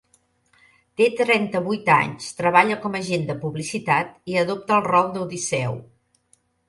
Té trenta-vuit anys, treballa com a agent de publicitat i adopta el rol d'Odisseu.